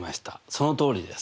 そのとおりです。